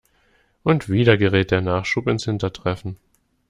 Und wieder gerät der Nachschub ins hintertreffen.